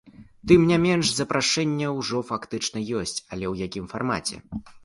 Тым не менш, запрашэнне ўжо фактычна ёсць, але ў якім фармаце?